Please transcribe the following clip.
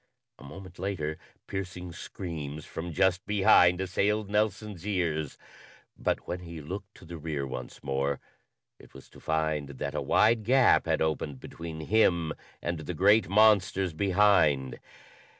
A moment later, piercing screams from just behind assailed Nelson's ears, but when he looked to the rear once more it was to find that a wide gap had opened between him and the great monsters behind.